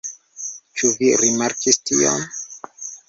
Ĉu vi rimarkis tion?